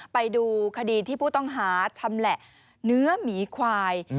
ไปดูคดีที่ผู้ต้องหาชำแหละเนื้อหมีควาย